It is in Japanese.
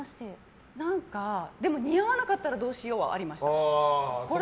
でも似合わなかったらどうしようはありました。